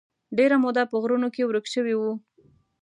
ډېره موده په غرونو کې ورک شوی و.